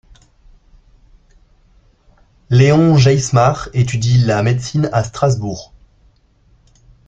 Léon Geismar étudie la médecine à Strasbourg.